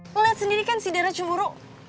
lo liat sendiri kan si dara cemburu